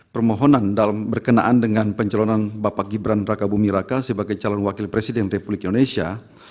permohonan dalam berkenaan dengan pencalonan bapak gibran raka bumi raka sebagai calon wakil presiden republik indonesia